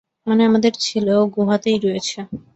মানে, আমাদের ছেলেও গুহাতেই রয়েছে।